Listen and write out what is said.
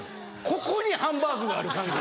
ここにハンバーグがある感じ。